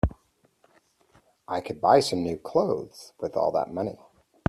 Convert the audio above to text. I could buy some new clothes with all that money.